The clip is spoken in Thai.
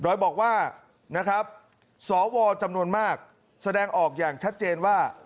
โดยบอกว่านะครับสวจำนวนมากแสดงออกอย่างชัดเจนว่า